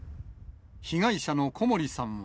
被害者の小森さんは。